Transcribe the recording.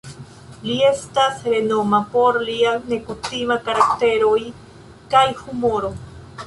Li estas renoma por lia nekutima karakteroj kaj humoro.